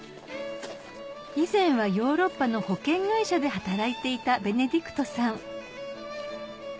以前はヨーロッパの保険会社で働いていたベネディクトさん